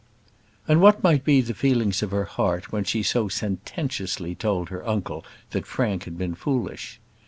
And what might be the feelings of her heart when she so sententiously told her uncle that Frank had been foolish?